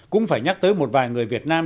cũng phải nhắc tới một vài người việt nam